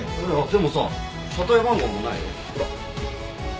でもさ車体番号もないよほら。